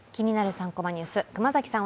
３コマニュース」、熊崎さん